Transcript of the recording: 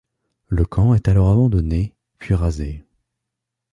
Le camp est alors abandonné, puis rasé.